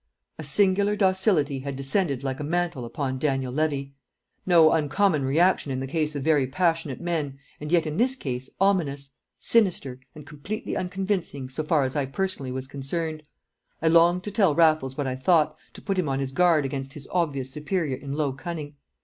A singular docility had descended like a mantle upon Daniel Levy: no uncommon reaction in the case of very passionate men, and yet in this case ominous, sinister, and completely unconvincing so far as I personally was concerned. I longed to tell Raffles what I thought, to put him on his guard against his obvious superior in low cunning.